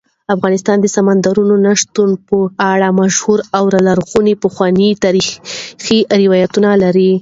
افغانستان د سمندر نه شتون په اړه مشهور او لرغوني پخواني تاریخی روایتونه لري.